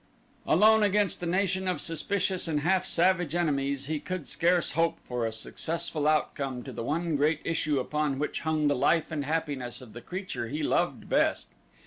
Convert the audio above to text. Alone against a nation of suspicious and half savage enemies he could scarce hope for a successful outcome to the one great issue upon which hung the life and happiness of the creature he loved best.